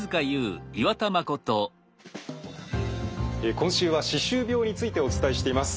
今週は歯周病についてお伝えしています。